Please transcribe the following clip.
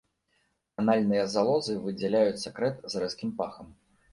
Анальныя залозы выдзяляюць сакрэт з рэзкім пахам.